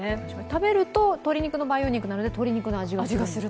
食べると鶏肉の培養肉なので鶏肉の味がする？